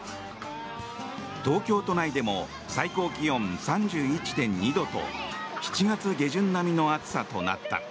東京都内でも最高気温３１．２度と７月下旬並みの暑さとなった。